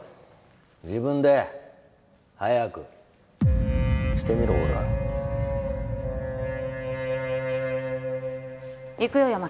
自分で早くしてみろほら行くよ八巻